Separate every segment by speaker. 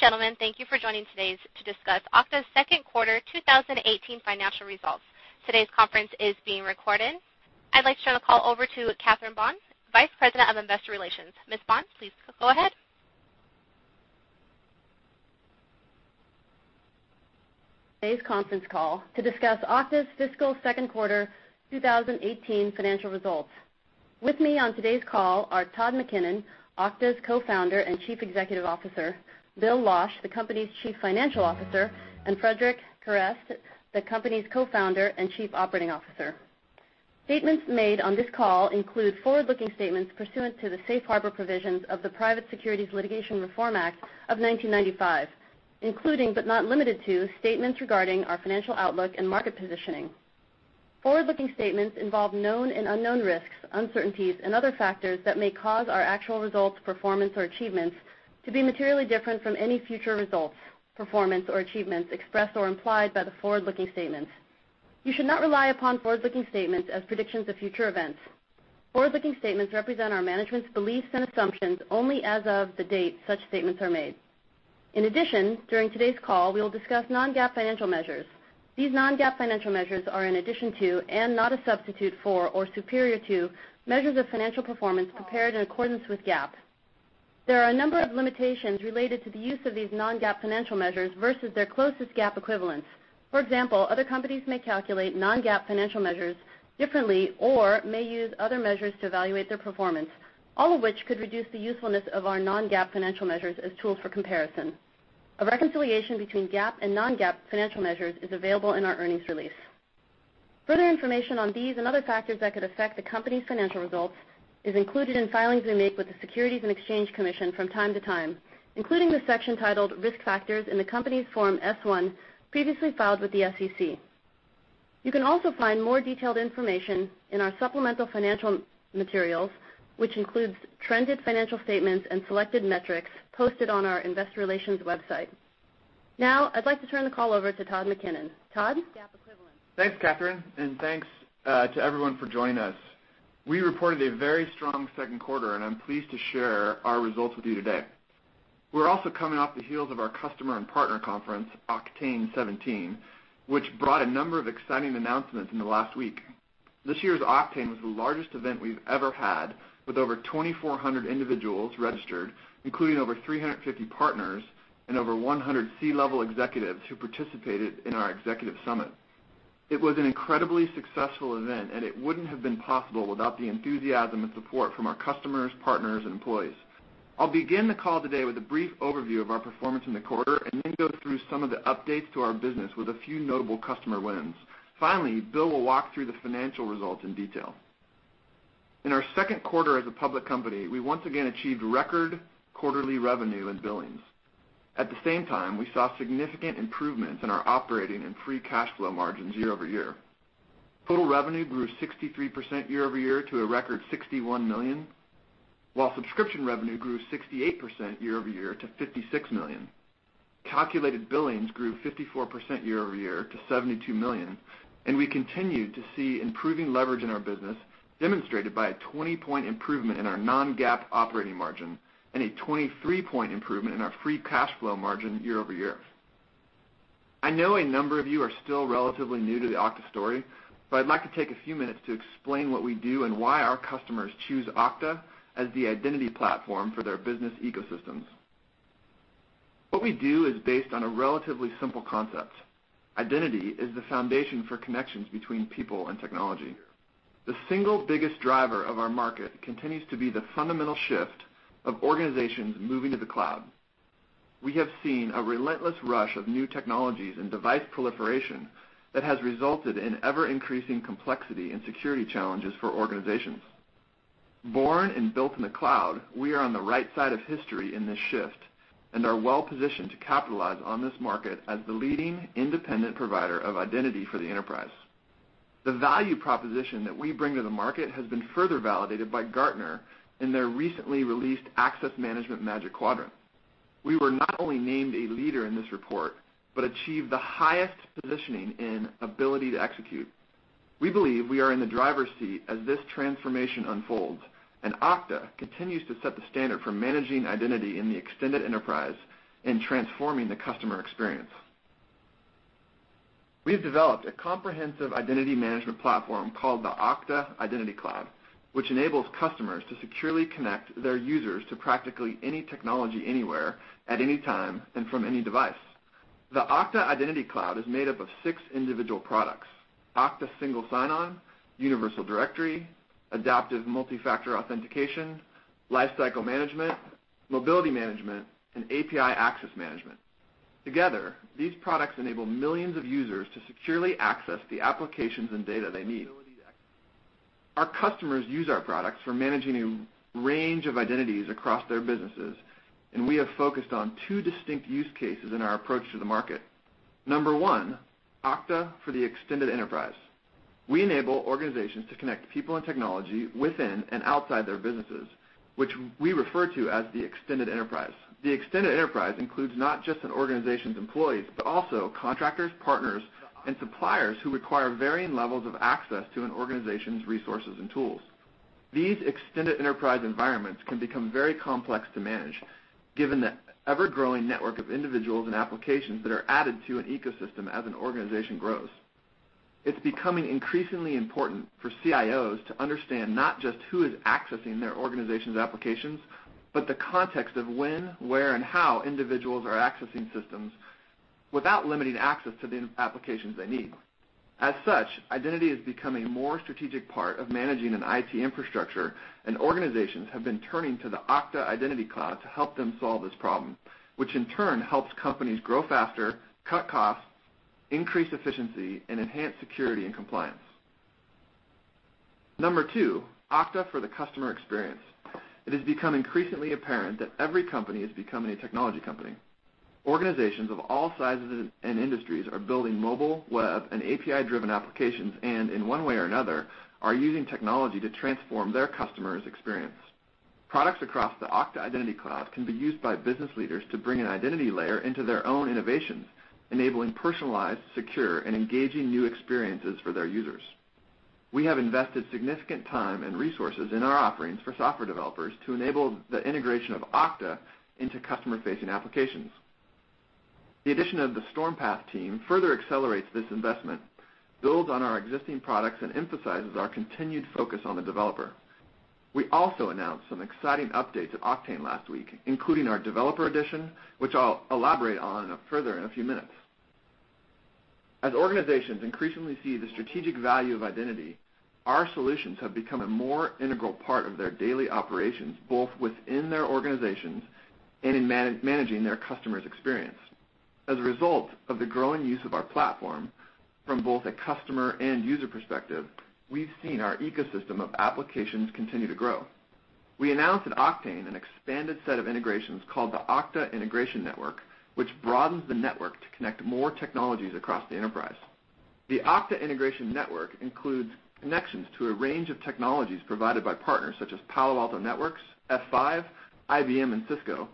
Speaker 1: Ladies and gentlemen, thank you for joining today to discuss Okta's second quarter 2018 financial results. Today's conference is being recorded. I'd like to turn the call over to Catherine Buan, Vice President of Investor Relations. Ms. Buan, please go ahead.
Speaker 2: Today's conference call to discuss Okta's fiscal second quarter 2018 financial results. With me on today's call are Todd McKinnon, Okta's Co-founder and Chief Executive Officer, Bill Losch, the company's Chief Financial Officer, and Frederic Kerrest, the company's Co-founder and Chief Operating Officer. Statements made on this call include forward-looking statements pursuant to the safe harbor provisions of the Private Securities Litigation Reform Act of 1995, including but not limited to statements regarding our financial outlook and market positioning. Forward-looking statements involve known and unknown risks, uncertainties, and other factors that may cause our actual results, performance, or achievements to be materially different from any future results, performance, or achievements expressed or implied by the forward-looking statements. You should not rely upon forward-looking statements as predictions of future events. Forward-looking statements represent our management's beliefs and assumptions only as of the date such statements are made. In addition, during today's call, we will discuss non-GAAP financial measures. These non-GAAP financial measures are in addition to, and not a substitute for or superior to, measures of financial performance prepared in accordance with GAAP. There are a number of limitations related to the use of these non-GAAP financial measures versus their closest GAAP equivalents. For example, other companies may calculate non-GAAP financial measures differently or may use other measures to evaluate their performance, all of which could reduce the usefulness of our non-GAAP financial measures as tools for comparison. A reconciliation between GAAP and non-GAAP financial measures is available in our earnings release. Further information on these and other factors that could affect the company's financial results is included in filings we make with the Securities and Exchange Commission from time to time, including the section titled Risk Factors in the company's Form S-1 previously filed with the SEC. You can also find more detailed information in our supplemental financial materials, which includes trended financial statements and selected metrics posted on our investor relations website. Now, I'd like to turn the call over to Todd McKinnon. Todd?
Speaker 3: Thanks, Catherine, and thanks to everyone for joining us. We reported a very strong second quarter, and I'm pleased to share our results with you today. We're also coming off the heels of our customer and partner conference, Oktane17, which brought a number of exciting announcements in the last week. This year's Oktane was the largest event we've ever had, with over 2,400 individuals registered, including over 350 partners and over 100 C-level executives who participated in our executive summit. It was an incredibly successful event, and it wouldn't have been possible without the enthusiasm and support from our customers, partners, and employees. I'll begin the call today with a brief overview of our performance in the quarter and then go through some of the updates to our business with a few notable customer wins. Finally, Bill will walk through the financial results in detail. In our second quarter as a public company, we once again achieved record quarterly revenue and billings. At the same time, we saw significant improvements in our operating and free cash flow margins year-over-year. Total revenue grew 63% year-over-year to a record $61 million, while subscription revenue grew 68% year-over-year to $56 million. Calculated billings grew 54% year-over-year to $72 million, and we continued to see improving leverage in our business, demonstrated by a 20 point improvement in our non-GAAP operating margin and a 23 point improvement in our free cash flow margin year-over-year. I know a number of you are still relatively new to the Okta story, but I'd like to take a few minutes to explain what we do and why our customers choose Okta as the identity platform for their business ecosystems. What we do is based on a relatively simple concept. Identity is the foundation for connections between people and technology. The single biggest driver of our market continues to be the fundamental shift of organizations moving to the cloud. We have seen a relentless rush of new technologies and device proliferation that has resulted in ever-increasing complexity and security challenges for organizations. Born and built in the cloud, we are on the right side of history in this shift and are well positioned to capitalize on this market as the leading independent provider of identity for the enterprise. The value proposition that we bring to the market has been further validated by Gartner in their recently released Magic Quadrant for Access Management. We were not only named a leader in this report, but achieved the highest positioning in ability to execute. We believe we are in the driver's seat as this transformation unfolds, and Okta continues to set the standard for managing identity in the extended enterprise and transforming the customer experience. We have developed a comprehensive identity management platform called the Okta Identity Cloud, which enables customers to securely connect their users to practically any technology anywhere at any time and from any device. The Okta Identity Cloud is made up of six individual products: Okta Single Sign-On, Universal Directory, Adaptive Multi-Factor Authentication, Lifecycle Management, Mobility Management, and API Access Management. Together, these products enable millions of users to securely access the applications and data they need. Our customers use our products for managing a range of identities across their businesses, and we have focused on two distinct use cases in our approach to the market. Number one, Okta for the extended enterprise. We enable organizations to connect people and technology within and outside their businesses, which we refer to as the extended enterprise. The extended enterprise includes not just an organization's employees, but also contractors, partners, and suppliers who require varying levels of access to an organization's resources and tools. These extended enterprise environments can become very complex to manage, given the ever-growing network of individuals and applications that are added to an ecosystem as an organization grows. It's becoming increasingly important for CIOs to understand not just who is accessing their organization's applications, but the context of when, where, and how individuals are accessing systems without limiting access to the applications they need. As such, identity is becoming a more strategic part of managing an IT infrastructure, and organizations have been turning to the Okta Identity Cloud to help them solve this problem, which in turn helps companies grow faster, cut costs, increase efficiency, and enhance security and compliance. Number two, Okta for the customer experience. It has become increasingly apparent that every company is becoming a technology company. Organizations of all sizes and industries are building mobile, web, and API-driven applications, and in one way or another, are using technology to transform their customers' experience. Products across the Okta Identity Cloud can be used by business leaders to bring an identity layer into their own innovations, enabling personalized, secure, and engaging new experiences for their users. We have invested significant time and resources in our offerings for software developers to enable the integration of Okta into customer-facing applications. The addition of the Stormpath team further accelerates this investment, builds on our existing products, and emphasizes our continued focus on the developer. We also announced some exciting updates at Oktane last week, including our developer edition, which I'll elaborate on further in a few minutes. As organizations increasingly see the strategic value of identity, our solutions have become a more integral part of their daily operations, both within their organizations and in managing their customers' experience. As a result of the growing use of our platform from both a customer and user perspective, we've seen our ecosystem of applications continue to grow. We announced at Oktane an expanded set of integrations called the Okta Integration Network, which broadens the network to connect more technologies across the enterprise. The Okta Integration Network includes connections to a range of technologies provided by partners such as Palo Alto Networks, F5, IBM, and Cisco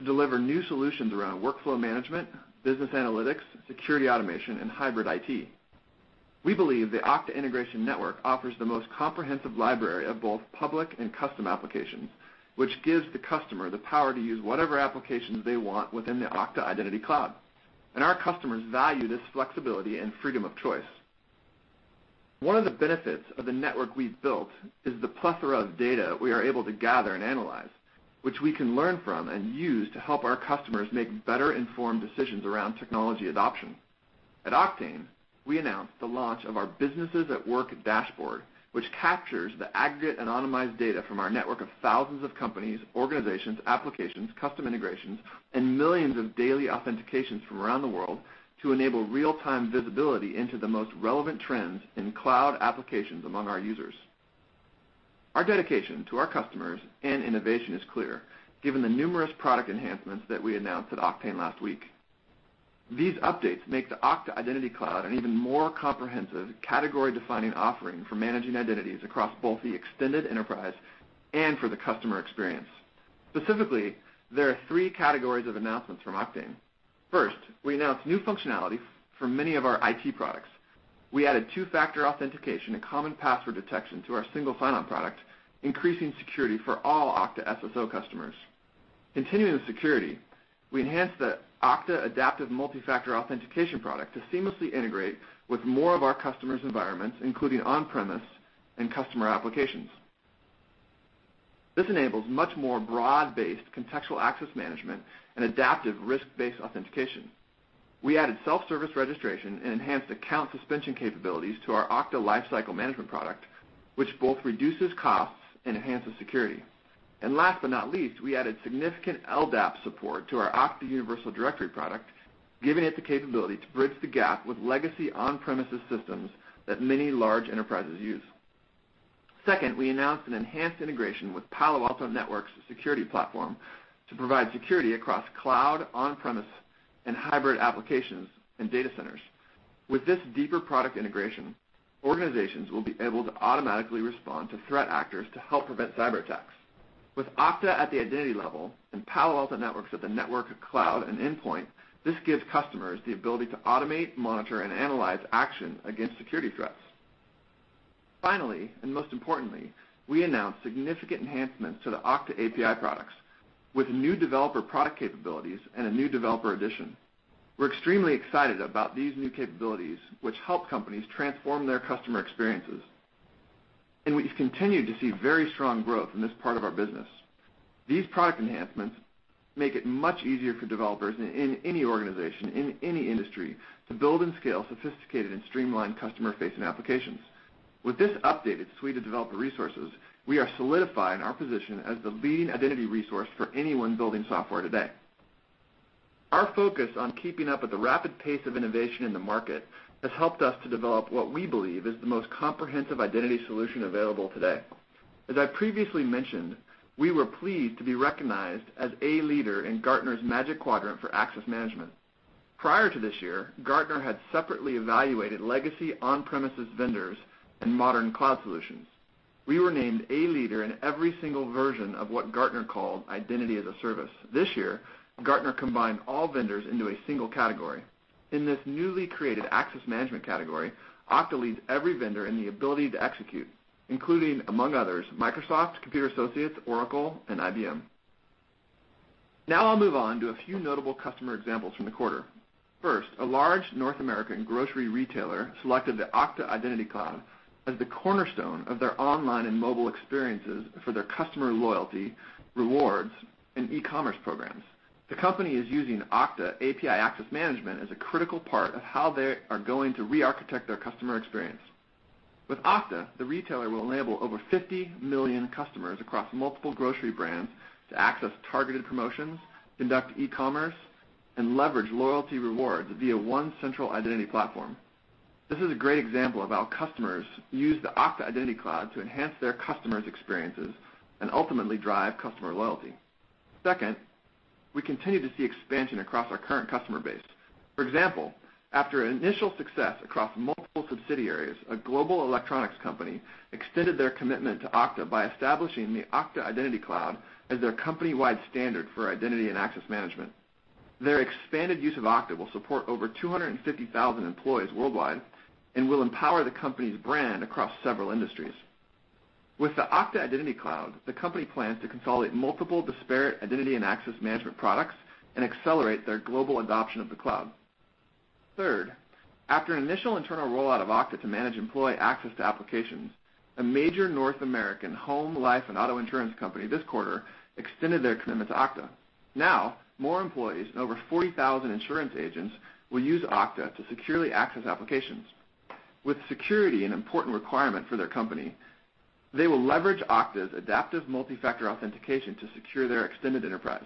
Speaker 3: to deliver new solutions around workflow management, business analytics, security automation, and hybrid IT. We believe the Okta Integration Network offers the most comprehensive library of both public and custom applications, which gives the customer the power to use whatever applications they want within the Okta Identity Cloud. Our customers value this flexibility and freedom of choice. One of the benefits of the network we've built is the plethora of data we are able to gather and analyze, which we can learn from and use to help our customers make better-informed decisions around technology adoption. At Oktane, we announced the launch of our Businesses at Work dashboard, which captures the aggregate anonymized data from our network of thousands of companies, organizations, applications, custom integrations, and millions of daily authentications from around the world to enable real-time visibility into the most relevant trends in cloud applications among our users. Our dedication to our customers and innovation is clear, given the numerous product enhancements that we announced at Oktane last week. These updates make the Okta Identity Cloud an even more comprehensive, category-defining offering for managing identities across both the extended enterprise and for the customer experience. Specifically, there are three categories of announcements from Oktane. First, we announced new functionality for many of our IT products. We added two-factor authentication and common password detection to our Single Sign-On product, increasing security for all Okta SSO customers. Continuing with security, we enhanced the Okta Adaptive Multi-Factor Authentication product to seamlessly integrate with more of our customers' environments, including on-premises and customer applications. This enables much more broad-based contextual access management and adaptive risk-based authentication. We added self-service registration and enhanced account suspension capabilities to our Okta Lifecycle Management product, which both reduces costs and enhances security. Last but not least, we added significant LDAP support to our Okta Universal Directory product, giving it the capability to bridge the gap with legacy on-premises systems that many large enterprises use. Second, we announced an enhanced integration with Palo Alto Networks Security Platform to provide security across cloud, on-premises, and hybrid applications and data centers. With this deeper product integration, organizations will be able to automatically respond to threat actors to help prevent cyberattacks. With Okta at the identity level and Palo Alto Networks at the network, cloud, and endpoint, this gives customers the ability to automate, monitor, and analyze action against security threats. Finally, most importantly, we announced significant enhancements to the Okta API products with new developer product capabilities and a new developer edition. We're extremely excited about these new capabilities, which help companies transform their customer experiences. We've continued to see very strong growth in this part of our business. These product enhancements make it much easier for developers in any organization, in any industry, to build and scale sophisticated and streamlined customer-facing applications. With this updated suite of developer resources, we are solidifying our position as the leading identity resource for anyone building software today. Our focus on keeping up with the rapid pace of innovation in the market has helped us to develop what we believe is the most comprehensive identity solution available today. As I previously mentioned, we were pleased to be recognized as a leader in Gartner's Magic Quadrant for Access Management. Prior to this year, Gartner had separately evaluated legacy on-premises vendors and modern cloud solutions. We were named a leader in every single version of what Gartner called Identity as a Service. This year, Gartner combined all vendors into a single category. In this newly created Access Management category, Okta leads every vendor in the ability to execute, including, among others, Microsoft, Computer Associates, Oracle, and IBM. I'll move on to a few notable customer examples from the quarter. First, a large North American grocery retailer selected the Okta Identity Cloud as the cornerstone of their online and mobile experiences for their customer loyalty, rewards, and e-commerce programs. The company is using Okta API Access Management as a critical part of how they are going to re-architect their customer experience. With Okta, the retailer will enable over 50 million customers across multiple grocery brands to access targeted promotions, conduct e-commerce, and leverage loyalty rewards via one central identity platform. This is a great example of how customers use the Okta Identity Cloud to enhance their customers' experiences and ultimately drive customer loyalty. Second, we continue to see expansion across our current customer base. For example, after initial success across multiple subsidiaries, a global electronics company extended their commitment to Okta by establishing the Okta Identity Cloud as their company-wide standard for identity and access management. Their expanded use of Okta will support over 250,000 employees worldwide and will empower the company's brand across several industries. With the Okta Identity Cloud, the company plans to consolidate multiple disparate identity and access management products and accelerate their global adoption of the cloud. Third, after initial internal rollout of Okta to manage employee access to applications, a major North American home, life, and auto insurance company this quarter extended their commitment to Okta. Now, more employees and over 40,000 insurance agents will use Okta to securely access applications. With security an important requirement for their company, they will leverage Okta Adaptive Multi-Factor Authentication to secure their extended enterprise.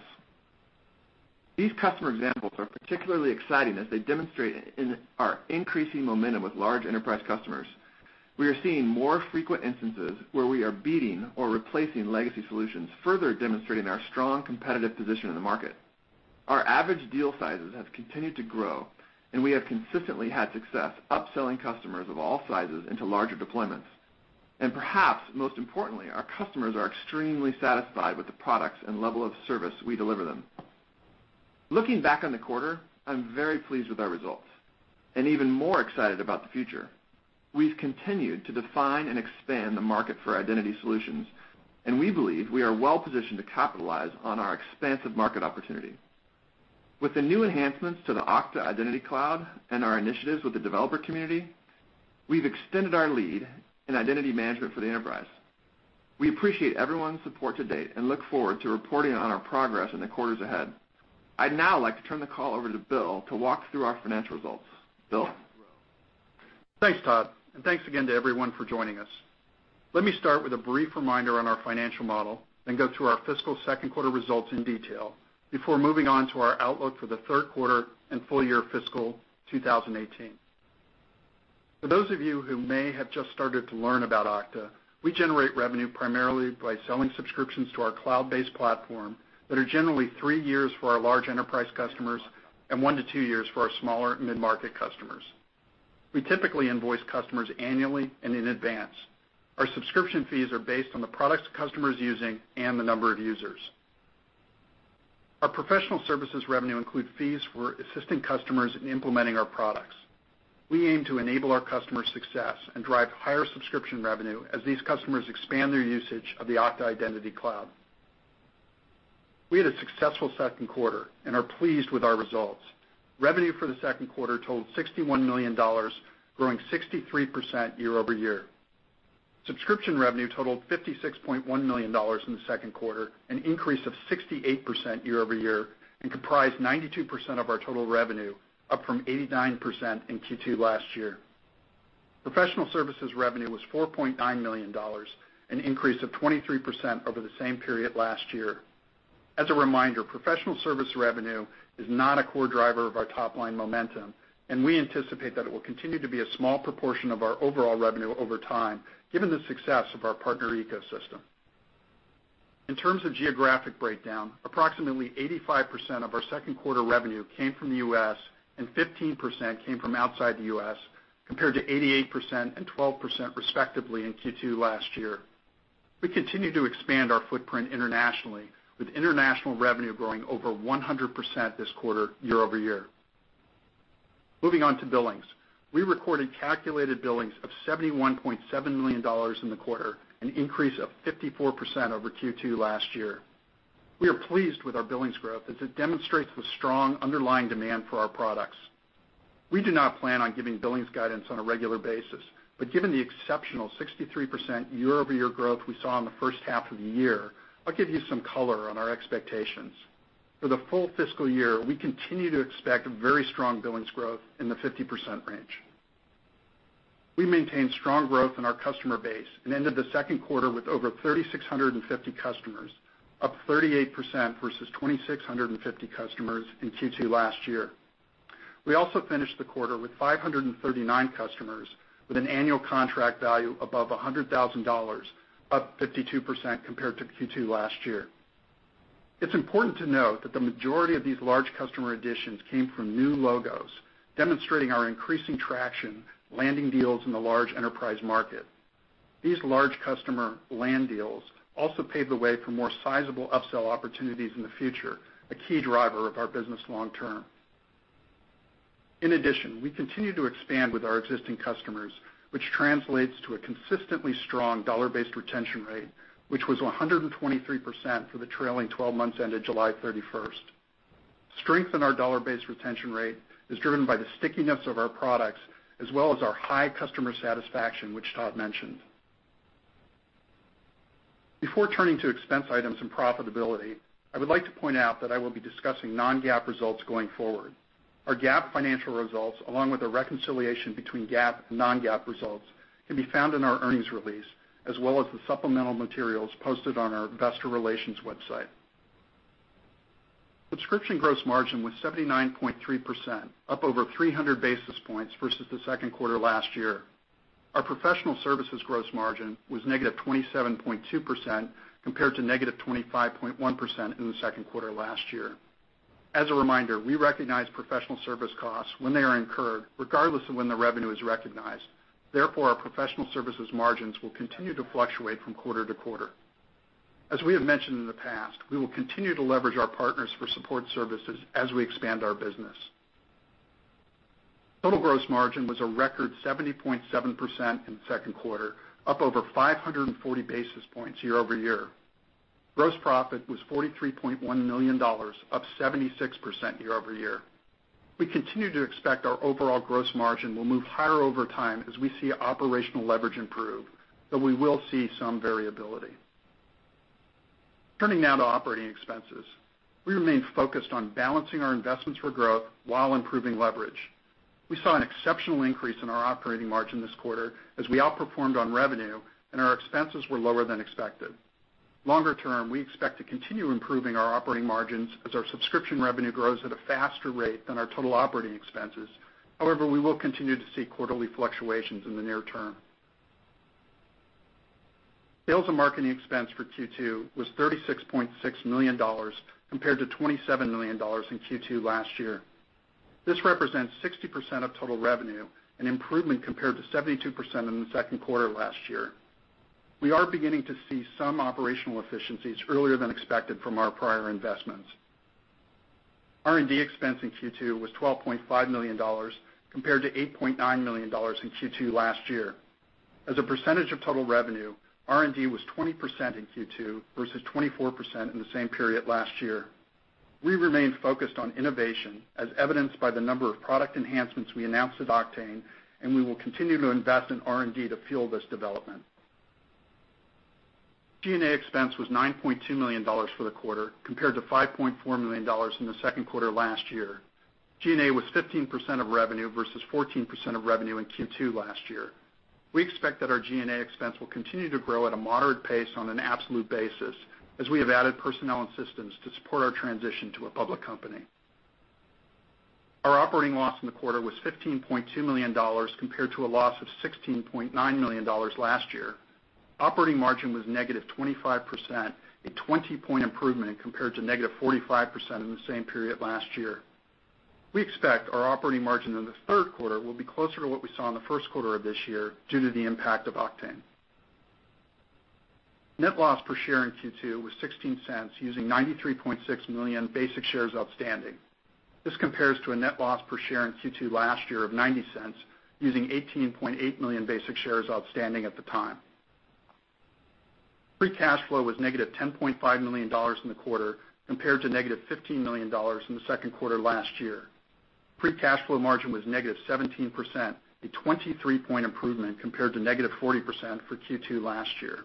Speaker 3: These customer examples are particularly exciting as they demonstrate our increasing momentum with large enterprise customers. We are seeing more frequent instances where we are beating or replacing legacy solutions, further demonstrating our strong competitive position in the market. Perhaps most importantly, our customers are extremely satisfied with the products and level of service we deliver them. Looking back on the quarter, I'm very pleased with our results and even more excited about the future. We've continued to define and expand the market for identity solutions, and we believe we are well-positioned to capitalize on our expansive market opportunity. With the new enhancements to the Okta Identity Cloud and our initiatives with the developer community, we've extended our lead in identity management for the enterprise. We appreciate everyone's support to date and look forward to reporting on our progress in the quarters ahead. I'd now like to turn the call over to Bill to walk through our financial results. Bill?
Speaker 4: Thanks, Todd. Thanks again to everyone for joining us. Let me start with a brief reminder on our financial model, then go through our fiscal second quarter results in detail before moving on to our outlook for the third quarter and full year fiscal 2018. For those of you who may have just started to learn about Okta, we generate revenue primarily by selling subscriptions to our cloud-based platform that are generally three years for our large enterprise customers and one to two years for our smaller mid-market customers. We typically invoice customers annually and in advance. Our subscription fees are based on the products the customer is using and the number of users. Our professional services revenue include fees for assisting customers in implementing our products. We aim to enable our customers' success and drive higher subscription revenue as these customers expand their usage of the Okta Identity Cloud. We had a successful second quarter and are pleased with our results. Revenue for the second quarter totaled $61 million, growing 63% year-over-year. Subscription revenue totaled $56.1 million in the second quarter, an increase of 68% year-over-year, and comprised 92% of our total revenue, up from 89% in Q2 last year. Professional services revenue was $4.9 million, an increase of 23% over the same period last year. As a reminder, professional services revenue is not a core driver of our top-line momentum, and we anticipate that it will continue to be a small proportion of our overall revenue over time, given the success of our partner ecosystem. In terms of geographic breakdown, approximately 85% of our second quarter revenue came from the U.S., and 15% came from outside the U.S., compared to 88% and 12%, respectively, in Q2 last year. We continue to expand our footprint internationally, with international revenue growing over 100% this quarter year-over-year. Moving on to billings. We recorded calculated billings of $71.7 million in the quarter, an increase of 54% over Q2 last year. We are pleased with our billings growth as it demonstrates the strong underlying demand for our products. We do not plan on giving billings guidance on a regular basis, but given the exceptional 63% year-over-year growth we saw in the first half of the year, I'll give you some color on our expectations. For the full fiscal year, we continue to expect very strong billings growth in the 50% range. We maintained strong growth in our customer base and ended the second quarter with over 3,650 customers, up 38% versus 2,650 customers in Q2 last year. We also finished the quarter with 539 customers with an annual contract value above $100,000, up 52% compared to Q2 last year. It's important to note that the majority of these large customer additions came from new logos, demonstrating our increasing traction landing deals in the large enterprise market. These large customer land deals also pave the way for more sizable upsell opportunities in the future, a key driver of our business long-term. In addition, we continue to expand with our existing customers, which translates to a consistently strong dollar-based retention rate, which was 123% for the trailing 12 months ended July 31st. Strength in our dollar-based retention rate is driven by the stickiness of our products as well as our high customer satisfaction, which Todd mentioned. Before turning to expense items and profitability, I would like to point out that I will be discussing non-GAAP results going forward. Our GAAP financial results, along with a reconciliation between GAAP and non-GAAP results, can be found in our earnings release, as well as the supplemental materials posted on our investor relations website. Subscription gross margin was 79.3%, up over 300 basis points versus the second quarter last year. Our professional services gross margin was negative 27.2%, compared to negative 25.1% in the second quarter last year. As a reminder, we recognize professional services costs when they are incurred, regardless of when the revenue is recognized. Therefore, our professional services margins will continue to fluctuate from quarter-to-quarter. As we have mentioned in the past, we will continue to leverage our partners for support services as we expand our business. Total gross margin was a record 70.7% in the second quarter, up over 540 basis points year-over-year. Gross profit was $43.1 million, up 76% year-over-year. We continue to expect our overall gross margin will move higher over time as we see operational leverage improve, though we will see some variability. Turning now to operating expenses. We remain focused on balancing our investments for growth while improving leverage. We saw an exceptional increase in our operating margin this quarter as we outperformed on revenue and our expenses were lower than expected. Longer term, we expect to continue improving our operating margins as our subscription revenue grows at a faster rate than our total operating expenses. We will continue to see quarterly fluctuations in the near term. Sales and marketing expense for Q2 was $36.6 million compared to $27 million in Q2 last year. This represents 60% of total revenue, an improvement compared to 72% in the second quarter last year. We are beginning to see some operational efficiencies earlier than expected from our prior investments. R&D expense in Q2 was $12.5 million compared to $8.9 million in Q2 last year. As a percentage of total revenue, R&D was 20% in Q2 versus 24% in the same period last year. We remain focused on innovation as evidenced by the number of product enhancements we announced at Oktane, and we will continue to invest in R&D to fuel this development. G&A expense was $9.2 million for the quarter, compared to $5.4 million in the second quarter last year. G&A was 15% of revenue versus 14% of revenue in Q2 last year. We expect that our G&A expense will continue to grow at a moderate pace on an absolute basis as we have added personnel and systems to support our transition to a public company. Our operating loss in the quarter was $15.2 million compared to a loss of $16.9 million last year. Operating margin was negative 25%, a 20-point improvement compared to negative 45% in the same period last year. We expect our operating margin in the third quarter will be closer to what we saw in the first quarter of this year due to the impact of Oktane. Net loss per share in Q2 was $0.16 using 93.6 million basic shares outstanding. This compares to a net loss per share in Q2 last year of $0.90 using 18.8 million basic shares outstanding at the time. Free cash flow was negative $10.5 million in the quarter compared to negative $15 million in the second quarter last year. Free cash flow margin was negative 17%, a 23-point improvement compared to negative 40% for Q2 last year.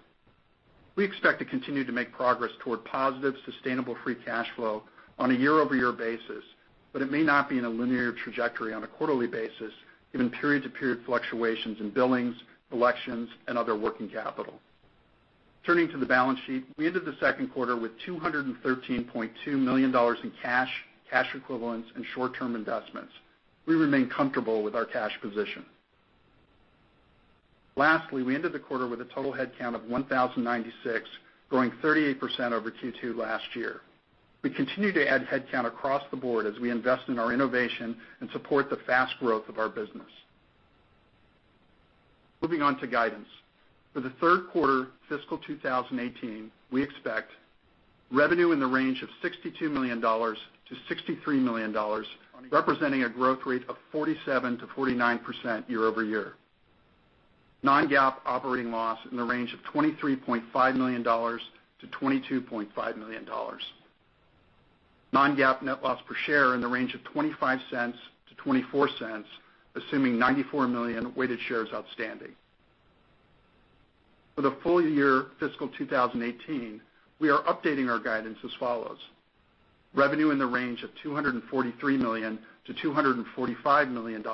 Speaker 4: We expect to continue to make progress toward positive, sustainable free cash flow on a year-over-year basis, but it may not be in a linear trajectory on a quarterly basis given period-to-period fluctuations in billings, collections, and other working capital. Turning to the balance sheet. We ended the second quarter with $213.2 million in cash equivalents and short-term investments. We remain comfortable with our cash position. Lastly, we ended the quarter with a total headcount of 1,096, growing 38% over Q2 last year. We continue to add headcount across the board as we invest in our innovation and support the fast growth of our business. Moving on to guidance. For the third quarter FY 2018, we expect revenue in the range of $62 million-$63 million, representing a growth rate of 47%-49% year-over-year. Non-GAAP operating loss in the range of $23.5 million-$22.5 million. Non-GAAP net loss per share in the range of $0.25-$0.24, assuming 94 million weighted shares outstanding. For the full year FY 2018, we are updating our guidance as follows. Revenue in the range of $243 million-$245 million,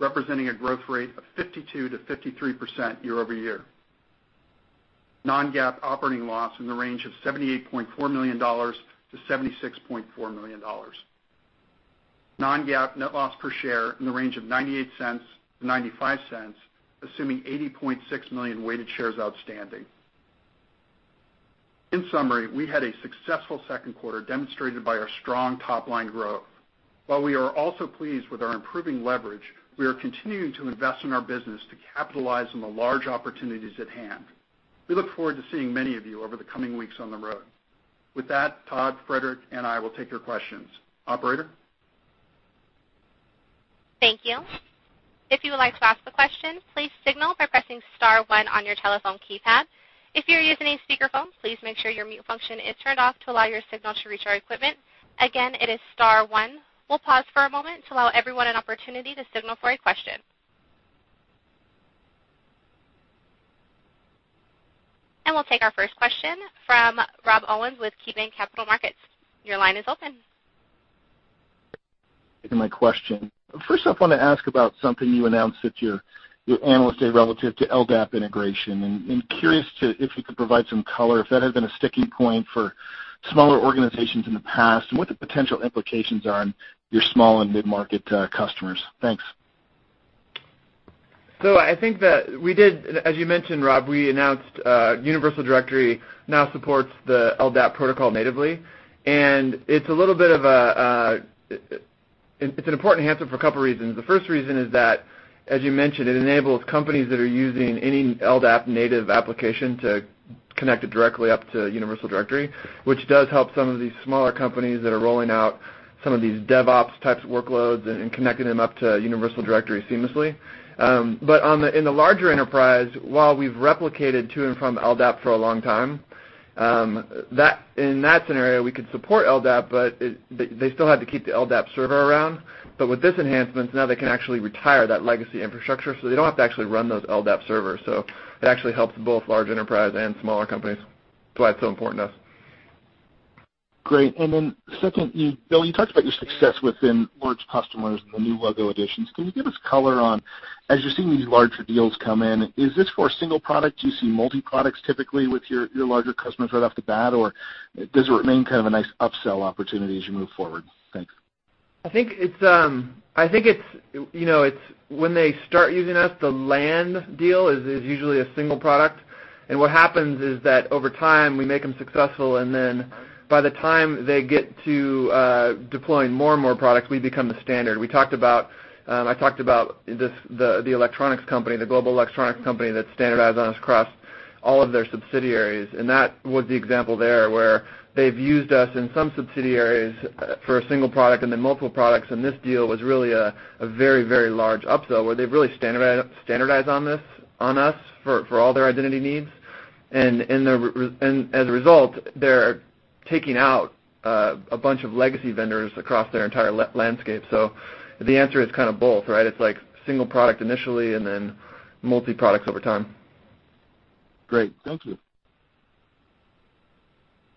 Speaker 4: representing a growth rate of 52%-53% year-over-year. Non-GAAP operating loss in the range of $78.4 million-$76.4 million. Non-GAAP net loss per share in the range of $0.98-$0.95, assuming 80.6 million weighted shares outstanding. In summary, we had a successful second quarter demonstrated by our strong top-line growth. We are also pleased with our improving leverage, we are continuing to invest in our business to capitalize on the large opportunities at hand. We look forward to seeing many of you over the coming weeks on the road. With that, Todd, Frederic, and I will take your questions. Operator?
Speaker 1: Thank you. If you would like to ask a question, please signal by pressing star one on your telephone keypad. If you are using a speakerphone, please make sure your mute function is turned off to allow your signal to reach our equipment. Again, it is star one. We will pause for a moment to allow everyone an opportunity to signal for a question. We will take our first question from Rob Owens with KeyBanc Capital Markets. Your line is open.
Speaker 5: Taking my question. First, I want to ask about something you announced at your analyst day relative to LDAP integration, and curious if you could provide some color if that had been a sticking point for smaller organizations in the past, and what the potential implications are on your small and mid-market customers. Thanks.
Speaker 3: I think that we did, as you mentioned, Rob, we announced Universal Directory now supports the LDAP protocol natively, and it's an important enhancement for a couple of reasons. The first reason is that, as you mentioned, it enables companies that are using any LDAP native application to connect it directly up to Universal Directory, which does help some of these smaller companies that are rolling out some of these DevOps types workloads and connecting them up to Universal Directory seamlessly. In the larger enterprise, while we've replicated to and from LDAP for a long time, in that scenario, we could support LDAP, but they still had to keep the LDAP server around. With this enhancement, now they can actually retire that legacy infrastructure, so they don't have to actually run those LDAP servers. It actually helps both large enterprise and smaller companies. That's why it's so important to us.
Speaker 5: Great. Secondly, Bill, you talked about your success within large customers and the new logo additions. Can you give us color on, as you're seeing these larger deals come in, is this for a single product? Do you see multi-products typically with your larger customers right off the bat? Or does it remain kind of a nice upsell opportunity as you move forward? Thanks.
Speaker 3: I think it's when they start using us, the land deal is usually a single product. What happens is that over time, we make them successful, and by the time they get to deploying more and more products, we become the standard. I talked about the global electronics company that standardized on us across all of their subsidiaries, and that was the example there where they've used us in some subsidiaries for a single product and then multiple products, and this deal was really a very large upsell where they've really standardized on us for all their identity needs. As a result, they're taking out a bunch of legacy vendors across their entire landscape. The answer is kind of both, right? It's like single product initially and then multi-products over time.
Speaker 5: Great. Thank you.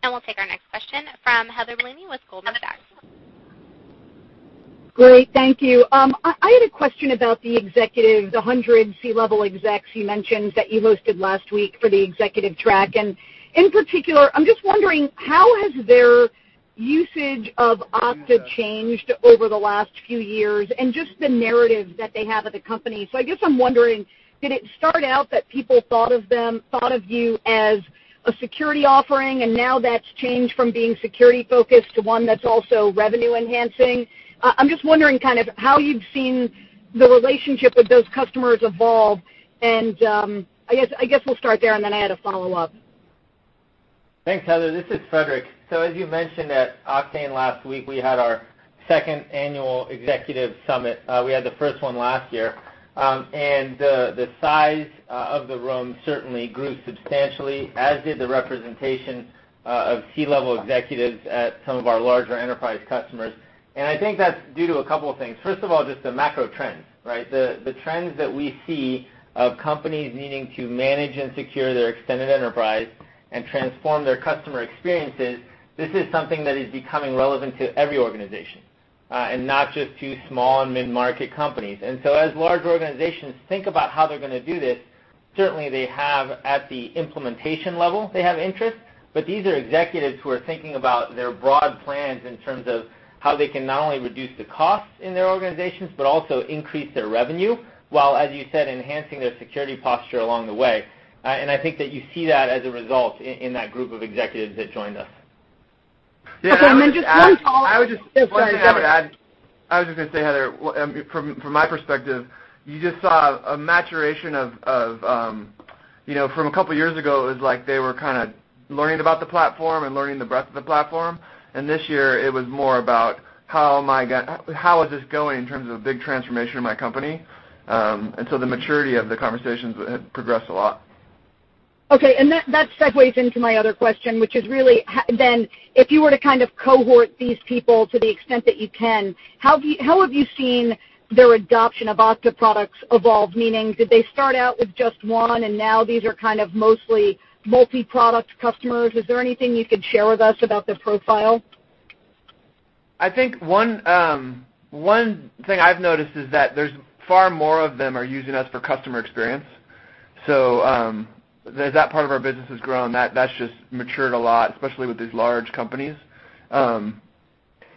Speaker 1: We'll take our next question from Heather Bellini with Goldman Sachs.
Speaker 6: Great. Thank you. I had a question about the executives, the 100 C-level execs you mentioned that you hosted last week for the executive track. In particular, I'm just wondering how has their usage of Okta changed over the last few years and just the narrative that they have of the company. I guess I'm wondering, did it start out that people thought of you as a security offering, and now that's changed from being security-focused to one that's also revenue-enhancing? I'm just wondering kind of how you've seen the relationship with those customers evolve, and I guess we'll start there, and then I had a follow-up.
Speaker 7: Thanks, Heather. This is Frederic. As you mentioned, at Oktane last week, we had our second annual executive summit. We had the first one last year. The size of the room certainly grew substantially, as did the representation of C-level executives at some of our larger enterprise customers. I think that's due to a couple of things. First of all, just the macro trends, right? The trends that we see of companies needing to manage and secure their extended enterprise and transform their customer experiences, this is something that is becoming relevant to every organization, and not just to small and mid-market companies. As large organizations think about how they're going to do this, certainly they have at the implementation level, they have interest, but these are executives who are thinking about their broad plans in terms of how they can not only reduce the costs in their organizations, but also increase their revenue, while, as you said, enhancing their security posture along the way. I think that you see that as a result in that group of executives that joined us.
Speaker 6: Okay, just one follow-up.
Speaker 3: I was just going to add, Heather, from my perspective, you just saw a maturation of, from a couple of years ago, it was like they were kind of learning about the platform and learning the breadth of the platform. This year, it was more about how is this going in terms of a big transformation in my company? The maturity of the conversations had progressed a lot.
Speaker 6: Okay, that segues into my other question, which is really then if you were to kind of cohort these people to the extent that you can, how have you seen their adoption of Okta products evolve? Meaning did they start out with just one, and now these are kind of mostly multi-product customers? Is there anything you could share with us about their profile?
Speaker 3: I think one thing I've noticed is that there's far more of them are using us for customer experience. That part of our business has grown. That's just matured a lot, especially with these large companies.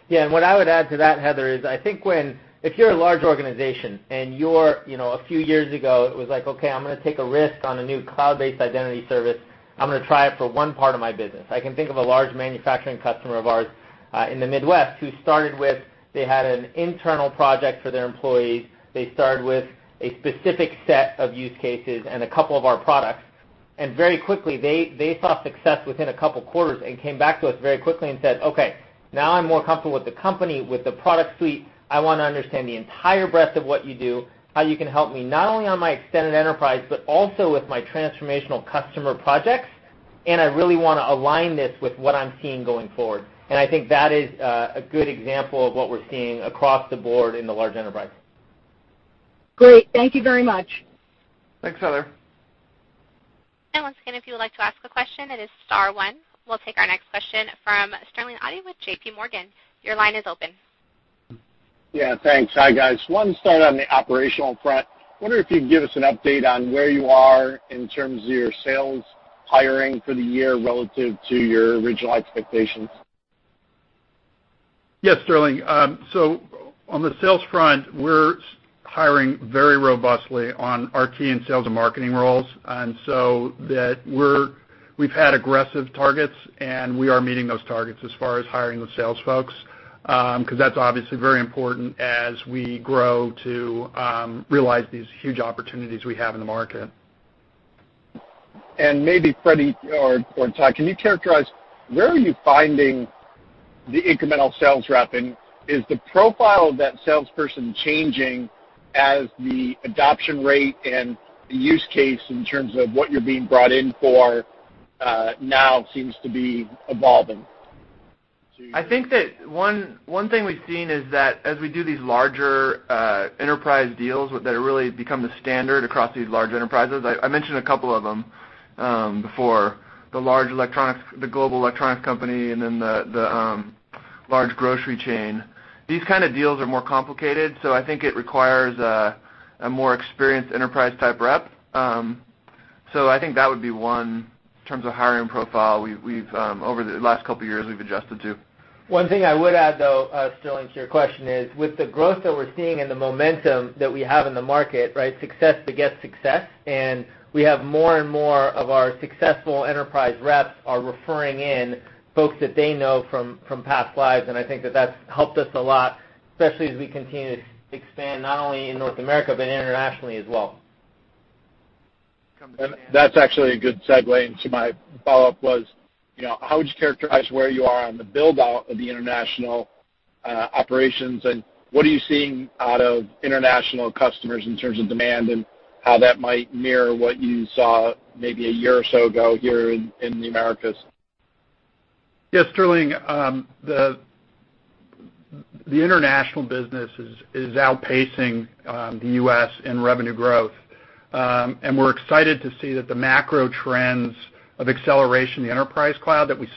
Speaker 7: Yeah, what I would add to that, Heather, is I think if you're a large organization and a few years ago it was like, "Okay, I'm going to take a risk on a new cloud-based identity service. I'm going to try it for one part of my business." I can think of a large manufacturing customer of ours in the Midwest who started with, they had an internal project for their employees. They started with a specific set of use cases and a couple of our products, very quickly, they saw success within a couple quarters and came back to us very quickly and said, "Okay, now I'm more comfortable with the company, with the product suite. I want to understand the entire breadth of what you do, how you can help me, not only on my extended enterprise, but also with my transformational customer projects, and I really want to align this with what I'm seeing going forward." I think that is a good example of what we're seeing across the board in the large enterprise.
Speaker 6: Great. Thank you very much.
Speaker 4: Thanks, Heather.
Speaker 1: Once again, if you would like to ask a question, it is star one. We'll take our next question from Sterling Auty with JPMorgan. Your line is open.
Speaker 8: Yeah, thanks. Hi, guys. Start on the operational front. Wonder if you'd give us an update on where you are in terms of your sales hiring for the year relative to your original expectations.
Speaker 4: Yes, Sterling. On the sales front, we're hiring very robustly on our team sales and marketing roles. We've had aggressive targets, and we are meeting those targets as far as hiring the sales folks, because that's obviously very important as we grow to realize these huge opportunities we have in the market.
Speaker 8: Maybe Freddy or Todd, can you characterize where are you finding the incremental sales rep, and is the profile of that salesperson changing as the adoption rate and the use case in terms of what you're being brought in for now seems to be evolving to?
Speaker 3: I think that one thing we've seen is that as we do these larger enterprise deals that have really become the standard across these large enterprises, I mentioned a couple of them before, the global electronics company, and then the large grocery chain. These kind of deals are more complicated, so I think it requires a more experienced enterprise-type rep. I think that would be one in terms of hiring profile, over the last couple of years, we've adjusted to.
Speaker 7: One thing I would add, though, Sterling, to your question is, with the growth that we're seeing and the momentum that we have in the market, success begets success, and we have more and more of our successful enterprise reps are referring in folks that they know from past lives. I think that that's helped us a lot, especially as we continue to expand not only in North America, but internationally as well.
Speaker 8: That's actually a good segue into my follow-up was, how would you characterize where you are on the build-out of the international operations, and what are you seeing out of international customers in terms of demand and how that might mirror what you saw maybe a year or so ago here in the Americas?
Speaker 4: Yes, Sterling. The international business is outpacing the U.S. in revenue growth. We're excited to see that the macro trends of acceleration, the enterprise cloud that we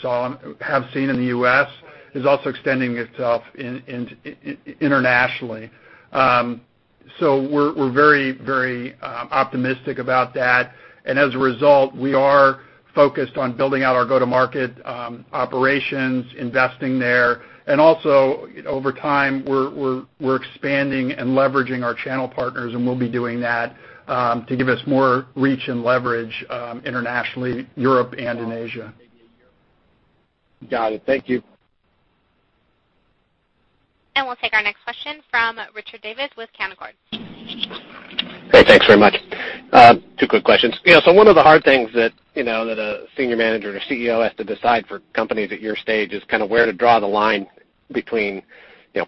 Speaker 4: have seen in the U.S. is also extending itself internationally. We're very optimistic about that. As a result, we are focused on building out our go-to-market operations, investing there, and also over time, we're expanding and leveraging our channel partners, and we'll be doing that to give us more reach and leverage internationally, Europe, and in Asia.
Speaker 8: Got it. Thank you.
Speaker 1: We'll take our next question from Richard Davis with Canaccord.
Speaker 9: Great. Thanks very much. Two quick questions. One of the hard things that a senior manager or CEO has to decide for companies at your stage is where to draw the line between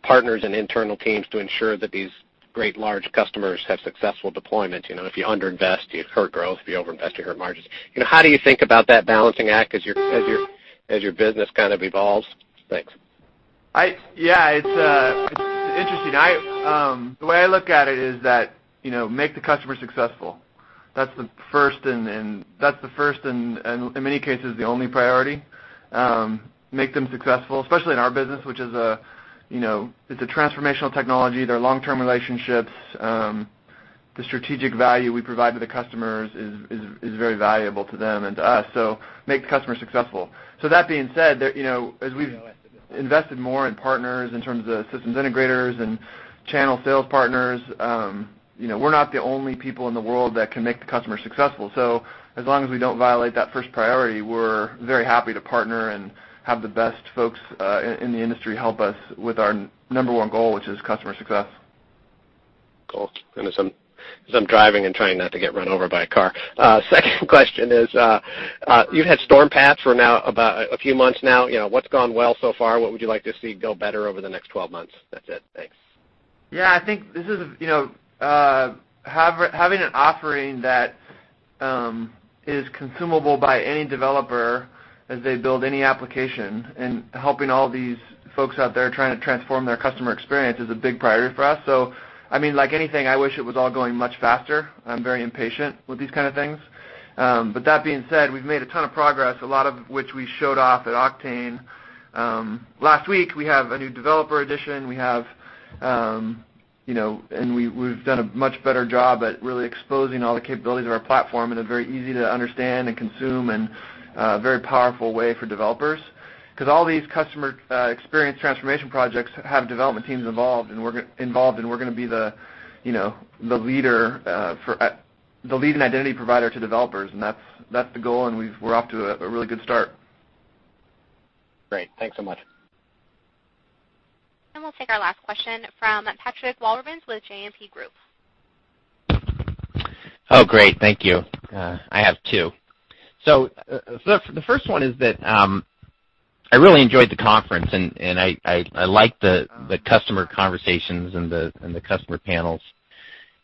Speaker 9: partners and internal teams to ensure that these great large customers have successful deployment. If you under-invest, you hurt growth. If you over-invest, you hurt margins. How do you think about that balancing act as your business kind of evolves? Thanks.
Speaker 3: Yeah, it's interesting. The way I look at it is that, make the customer successful. That's the first, and in many cases, the only priority. Make them successful, especially in our business, which is a transformational technology. They're long-term relationships. The strategic value we provide to the customers is very valuable to them and to us. Make the customer successful. That being said, as we've invested more in partners in terms of systems integrators and channel sales partners, we're not the only people in the world that can make the customer successful. As long as we don't violate that first priority, we're very happy to partner and have the best folks in the industry help us with our number one goal, which is customer success.
Speaker 9: Cool. As I'm driving and trying not to get run over by a car. Second question is, you've had Stormpath for a few months now. What's gone well so far? What would you like to see go better over the next 12 months? That's it. Thanks.
Speaker 3: Yeah, I think having an offering that is consumable by any developer as they build any application and helping all these folks out there trying to transform their customer experience is a big priority for us. Like anything, I wish it was all going much faster. I'm very impatient with these kind of things. That being said, we've made a ton of progress, a lot of which we showed off at Oktane last week. We have a new developer edition. We've done a much better job at really exposing all the capabilities of our platform in a very easy to understand and consume, and very powerful way for developers. Because all these customer experience transformation projects have development teams involved, and we're going to be the leading identity provider to developers, and that's the goal, and we're off to a really good start.
Speaker 9: Great. Thanks so much.
Speaker 1: We'll take our last question from Patrick Walravens with JMP Securities.
Speaker 10: Great. Thank you. I have two. The first one is that I really enjoyed the conference, and I liked the customer conversations and the customer panels.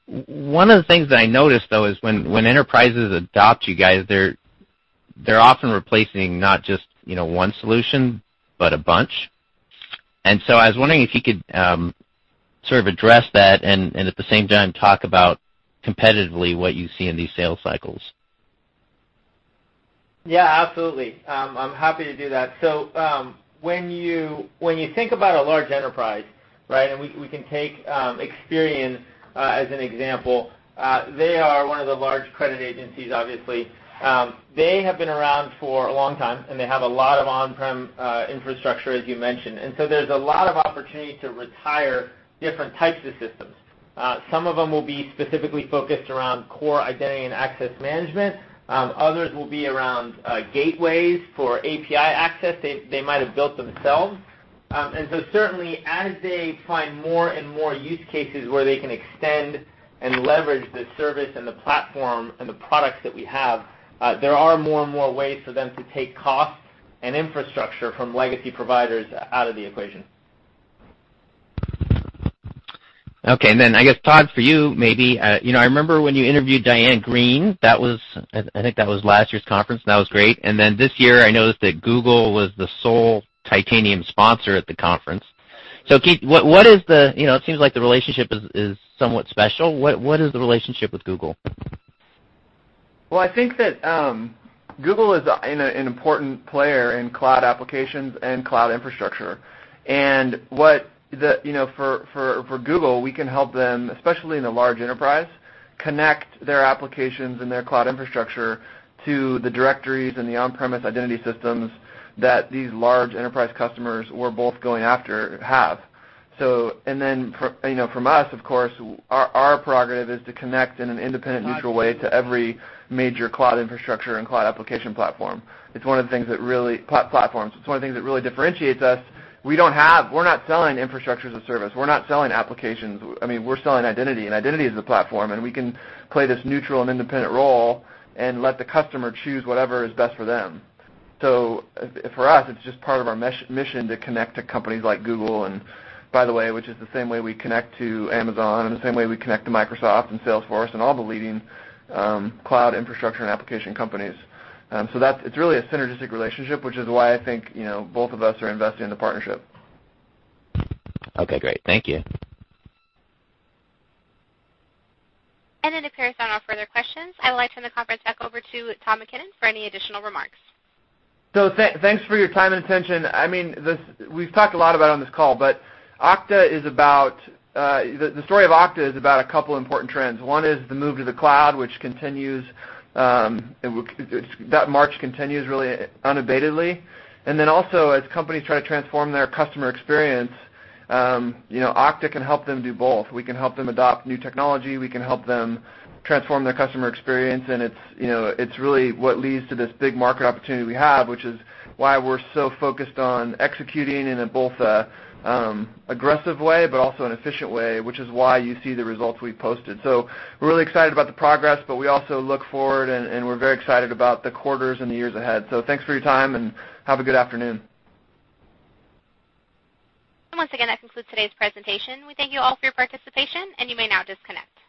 Speaker 10: One of the things that I noticed, though, is when enterprises adopt you guys, they're often replacing not just one solution but a bunch. I was wondering if you could sort of address that and at the same time, talk about competitively what you see in these sales cycles.
Speaker 7: Absolutely. I'm happy to do that. When you think about a large enterprise, right, and we can take Experian as an example. They are one of the large credit agencies, obviously. They have been around for a long time, and they have a lot of on-prem infrastructure, as you mentioned. There's a lot of opportunity to retire different types of systems. Some of them will be specifically focused around core identity and access management. Others will be around gateways for API Access they might have built themselves. Certainly, as they find more and more use cases where they can extend and leverage the service and the platform and the products that we have, there are more and more ways for them to take costs and infrastructure from legacy providers out of the equation.
Speaker 10: I guess, Todd, for you, maybe, I remember when you interviewed Diane Greene, I think that was last year's conference. That was great. This year, I noticed that Google was the sole titanium sponsor at the conference. It seems like the relationship is somewhat special. What is the relationship with Google?
Speaker 3: Well, I think that Google is an important player in cloud applications and cloud infrastructure. For Google, we can help them, especially in a large enterprise, connect their applications and their cloud infrastructure to the directories and the on-premise identity systems that these large enterprise customers we're both going after have. From us, of course, our prerogative is to connect in an independent, neutral way to every major cloud infrastructure and cloud application platform. It's one of the things that really differentiates us. We're not selling infrastructure as a service. We're not selling applications. We're selling identity, and identity is a platform, and we can play this neutral and independent role and let the customer choose whatever is best for them. For us, it's just part of our mission to connect to companies like Google, and by the way, which is the same way we connect to Amazon and the same way we connect to Microsoft and Salesforce and all the leading cloud infrastructure and application companies. It's really a synergistic relationship, which is why I think both of us are invested in the partnership.
Speaker 10: Okay, great. Thank you.
Speaker 1: It appears there are no further questions. I would like to turn the conference back over to Todd McKinnon for any additional remarks.
Speaker 3: Thanks for your time and attention. We've talked a lot about it on this call, but the story of Okta is about a couple important trends. One is the move to the cloud. That march continues really unabatedly. Then also as companies try to transform their customer experience, Okta can help them do both. We can help them adopt new technology. We can help them transform their customer experience, and it's really what leads to this big market opportunity we have, which is why we're so focused on executing in both an aggressive way but also an efficient way, which is why you see the results we've posted. We're really excited about the progress, but we also look forward, and we're very excited about the quarters and the years ahead. Thanks for your time, and have a good afternoon.
Speaker 1: Once again, that concludes today's presentation. We thank you all for your participation, and you may now disconnect.